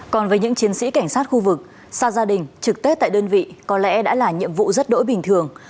còn với những chiến sĩ cảnh sát khu vực xa gia đình trực tết tại đơn vị có lẽ đã là nhiệm vụ rất đỗi bình thường